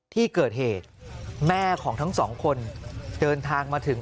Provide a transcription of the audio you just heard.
ที่เกิดเหตุแม่ของทั้งสองคนเดินทางมาถึง